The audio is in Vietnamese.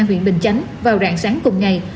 huyện bình chánh vào rạng sáng cùng ngày